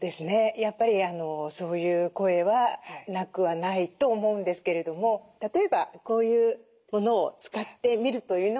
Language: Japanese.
やっぱりそういう声はなくはないと思うんですけれども例えばこういうものを使ってみるというのはいかがでしょう。